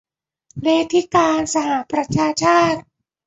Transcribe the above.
เลธิการสหประชาชาติ